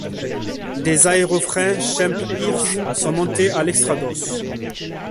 Des aérofreins Schempp-Hirth sont montés à l’extrados.